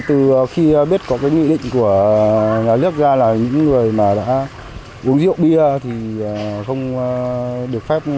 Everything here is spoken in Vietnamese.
từ khi biết có cái nghị định của nhà nước ra là những người đã uống rượu bia thì không được phục vụ